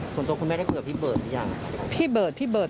ส่วนตัวคุณแม่ได้คุยกับพี่เบิร์ดหรือยัง